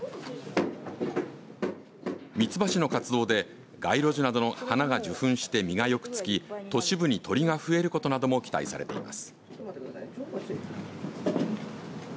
蜜蜂の活動で街路樹などの花が受粉して実がよく付き都市部に鳥が増えることなども期待されています。